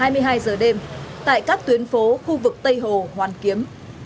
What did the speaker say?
hai mươi hai giờ đêm tại các tuyến phố khu vực tây hồ hoàn kiếm